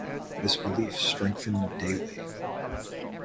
This belief strengthened daily.